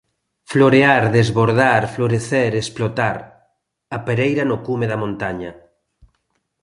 Florear, desbordar, florecer, explotar! A pereira no cume da montaña.